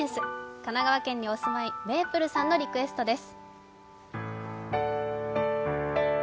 神奈川県にお住まいの、めいぷるさんからのリクエストです。